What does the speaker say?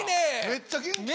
めっちゃ元気やな。